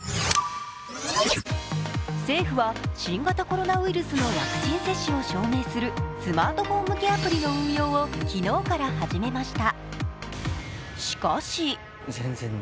政府は新型コロナウイルスのワクチン接種を証明するスマートフォン向けアプリの運用を昨日から始めました。